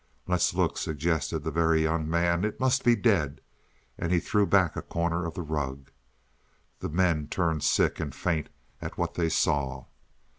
"Let's look," suggested the Very Young Man. "It must be dead"; and he threw back a corner of the rug. The men turned sick and faint at what they saw.